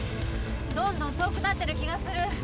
どんどん遠くなってる気がする。